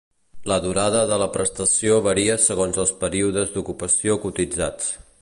La durada de la prestació varia segons els períodes d'ocupació cotitzats.